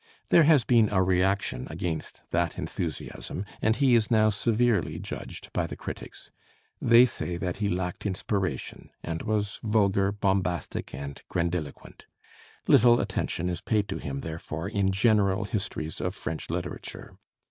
There has been a reaction against that enthusiasm, and he is now severely judged by the critics. They say that he lacked inspiration, and was vulgar, bombastic, and grandiloquent. Little attention is paid to him, therefore, in general histories of French literature.